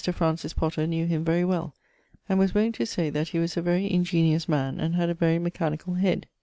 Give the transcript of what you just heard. Francis Potter knew him very well, and was wont to say that he was a very ingeniose man, and had a very mechanicall head.